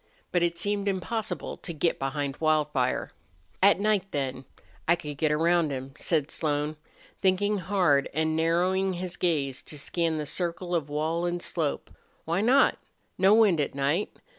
But it seemed impossible to get behind Wildfire. "At night then I could get round him," said Slone, thinking hard and narrowing his gaze to scan the circle of wall and slope. "Why not? ... No wind at night.